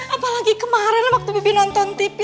apalagi kemarin waktu bivi nonton tv